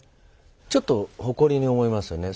ちょっと誇りに思いますよね